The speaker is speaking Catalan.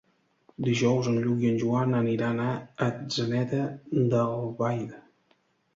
Dijous en Lluc i en Joan aniran a Atzeneta d'Albaida.